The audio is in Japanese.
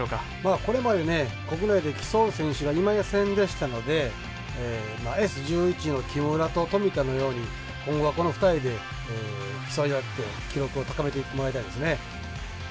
これまで国内で競う選手がいませんでしたのでＳ１１の木村と富田のように今後はこの２人で競い合って記録を高めていってもらいたいですね。